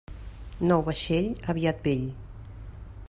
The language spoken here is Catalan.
Nou vaixell, aviat vell.